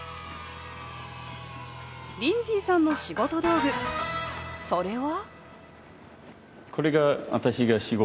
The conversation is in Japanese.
リンズィーさんの仕事道具それは？